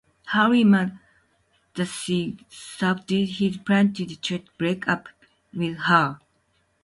Harry, mad that she sabotages his plans to cheat, breaks up with her.